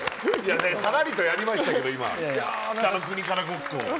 さらりとやりましたけど「北の国から」ごっこを。